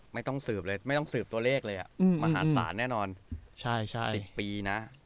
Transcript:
ไม่ต้องสืบตัวเลขเลยมหาศาลแน่นอน๑๐ปีนะ